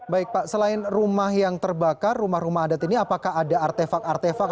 baik pak selain rumah yang terbakar rumah rumah adat ini apakah ada artefak artefak